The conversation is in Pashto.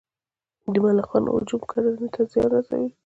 د ملخانو هجوم کرنې ته زیان رسوي؟